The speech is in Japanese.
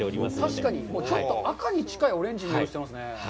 確かに、ちょっと赤に近いオレンジの色をしていますね。